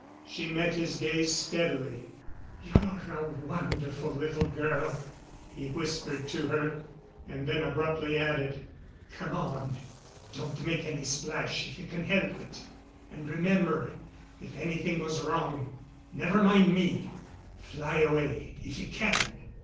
She met his gaze steadily. "You're a wonderful little girl," he whispered to her, and then abruptly added: "Come on. Don't make any splash if you can help it. And remember, if anything goes wrong, never mind me. Fly away if you can."